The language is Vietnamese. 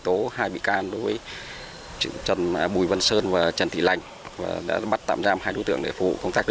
tố hai bị can đối với trần bùi văn sơn và trần thị lành và đã bắt tạm giam hai đối tượng để phục